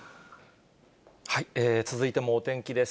続いてもお天気です。